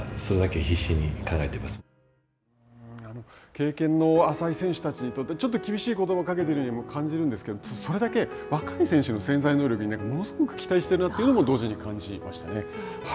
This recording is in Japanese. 経験の浅い選手たちにとってちょっと厳しい言葉をかけているようにも感じるんですけれども、それだけ、若い選手の潜在能力にものすごく期待しているなというのも同時に感じましたね。